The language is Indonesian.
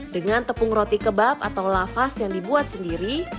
dengan tepung roti kebab atau lafas yang dibuat sendiri